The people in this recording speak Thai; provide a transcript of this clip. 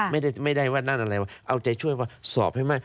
ไม่ได้ว่านั่นอะไรว่าเอาใจช่วยว่าสอบให้มาก